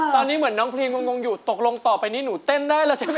ตอนนี้เหมือนน้องเพลงลงอยู่ตกลงต่อไปเนี่ยหนูเต้นได้เหล่าใช่มั้ยครับ